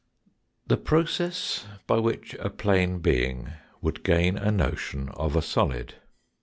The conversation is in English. THE PROCESS BY WHICH A PLANE BEING WOULD GAIN A NOTION OF A SOLID.